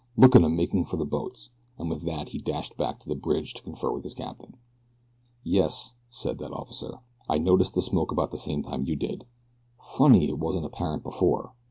Look at 'em making for the boats!" and with that he dashed back to the bridge to confer with his captain. "Yes," said that officer, "I noticed the smoke about the same time you did funny it wasn't apparent before.